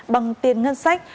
bằng tiền ngân sách